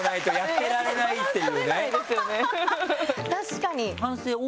確かに。